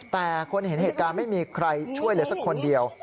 แต่คนเห็นเหตุการณ์ไม่มีใครช่วยเหลือสักคนเดียว